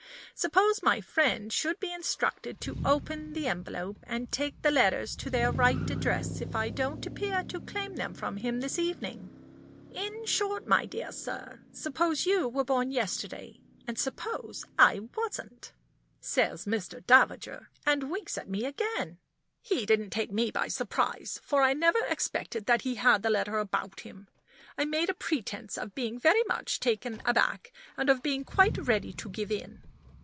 Suppose my friend should be instructed to open the envelope, and take the letters to their right address, if I don't appear to claim them from him this evening? In short, my dear sir, suppose you were born yesterday, and suppose I wasn't?" says Mr. Davager, and winks at me again. He didn't take me by surprise, for I never expected that he had the letter about him. I made a pretense of being very much taken aback, and of being quite ready to give in.